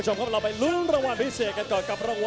ต้องบอกว่าไปอัดลำตัว